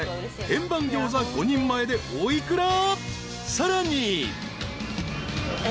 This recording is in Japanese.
［さらに］